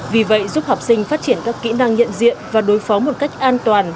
vì vậy giúp học sinh phát triển các kỹ năng nhận diện và đối phó một cách an toàn